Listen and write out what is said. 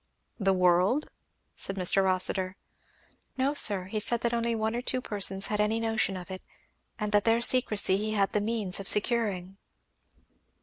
"The world?" said Mr. Rossitur. "No sir, he said that only one or two persons had any notion of it and that their secrecy he had the means of securing."